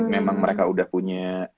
memang mereka udah punya